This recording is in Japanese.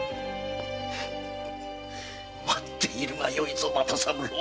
待っているがよいぞ又三郎！